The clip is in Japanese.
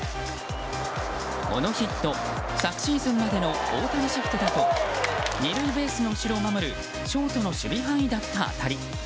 このヒット、昨シーズンまでの大谷シフトだと２塁ベースの後ろを守るショートの守備範囲だった当たり。